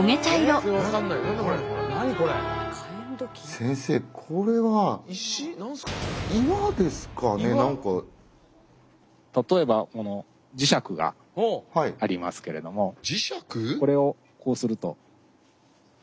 先生これは例えばこの磁石がありますけれどもこれをこうすると。